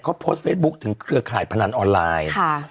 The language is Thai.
เพิ่งพอสเฟซบุ๊กถึงเครือข่ายพนันออนไลน์